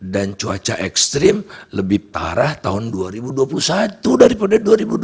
dan cuaca ekstrim lebih parah tahun dua ribu dua puluh satu daripada dua ribu dua puluh tiga